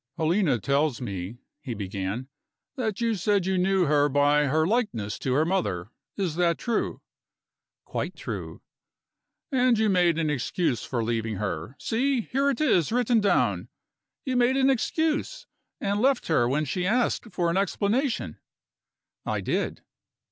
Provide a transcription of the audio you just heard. "Helena tells me," he began, "that you said you knew her by her likeness to her mother. Is that true?" "Quite true." "And you made an excuse for leaving her see! here it is, written down. You made an excuse, and left her when she asked for an explanation." "I did."